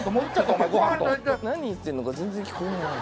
何言ってんのか全然聞こえない。